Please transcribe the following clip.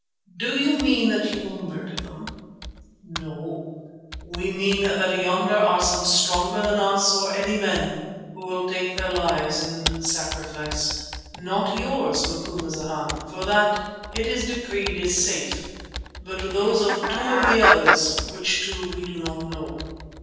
"Do you mean that you will murder them?" "No. We mean that yonder are some stronger than us or any men, who will take their lives in sacrifice. Not yours, Macumazana, for that, it is decreed, is safe, but those of two of the others, which two we do not know."